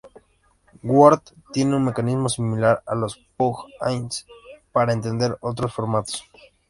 Word tiene un mecanismo similar a los "plug-ins" para entender otros formatos.